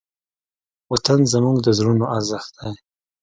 وطن زموږ د زړونو ارزښت دی.